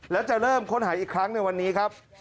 แล้วจะเริ่มค้นหาอีกครั้งในวันนี้ครับ